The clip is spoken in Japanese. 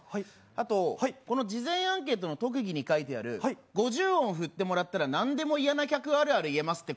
あと、事前アンケートの特技に書いてある５０音振ってもらったら何でも嫌な客あるある言えますって